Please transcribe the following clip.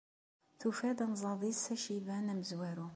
Tufa-d anẓad-is aciban amezwaru.